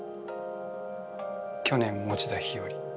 去年田日和。